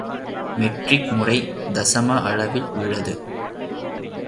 Matric முறை தசம அளவில் உள்ளது.